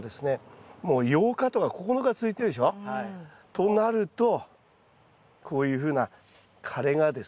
となるとこういうふうな枯れがですね出てくる。